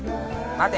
待て。